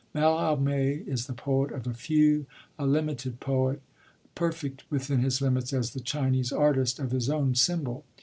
Mallarmé is the poet of a few, a limited poet, perfect within his limits as the Chinese artist of his own symbol.